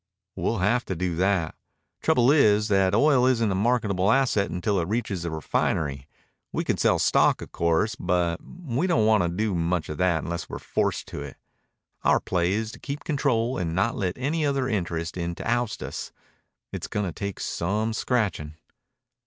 "We'll have to do that. Trouble is that oil isn't a marketable asset until it reaches a refinery. We can sell stock, of course, but we don't want to do much of that unless we're forced to it. Our play is to keep control and not let any other interest in to oust us. It's going to take some scratching."